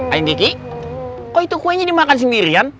ayang diki kok itu kuenya dimakan sendirian